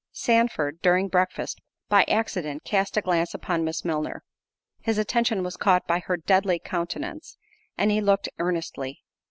Sandford, during breakfast, by accident cast a glance upon Miss Milner; his attention was caught by her deadly countenance, and he looked earnestly.